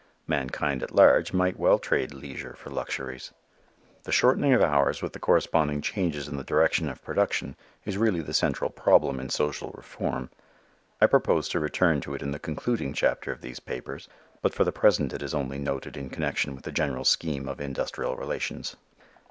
Mankind at large might well trade leisure for luxuries. The shortening of hours with the corresponding changes in the direction of production is really the central problem in social reform. I propose to return to it in the concluding chapter of these papers, but for the present it is only noted in connection with the general scheme of industrial relations.